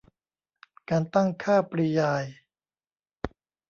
การตั้งค่าปริยาย